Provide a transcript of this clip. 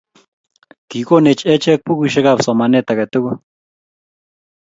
Kikonech achek bukuisiekab somanet age tugul